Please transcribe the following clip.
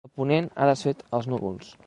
El ponent ha desfet els núvols.